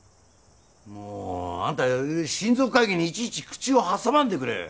もうあんた親族会議にいちいち口を挟まんでくれ。